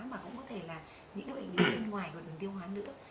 mà cũng có thể là những bệnh ví bên ngoài đường tiêu hóa nữa